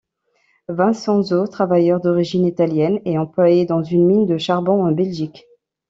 Vincenzo, travailleur d'origine italienne, est employé dans une mine de charbon en Belgique.